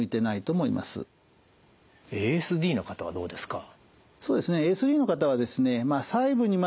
ＡＳＤの方はどうですか？